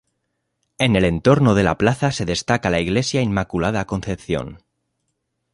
En el entorno de la plaza se destaca la Iglesia Inmaculada Concepción.